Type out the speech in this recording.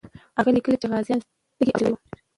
هغه لیکي چې غازیان تږي او ستړي وو.